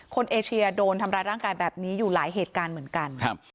เอเชียโดนทำร้ายร่างกายแบบนี้อยู่หลายเหตุการณ์เหมือนกันครับ